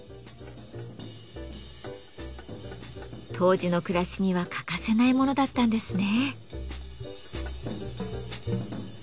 当時の暮らしには欠かせないものだったんですね。